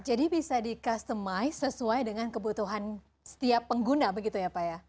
jadi bisa di customize sesuai dengan kebutuhan setiap pelanggan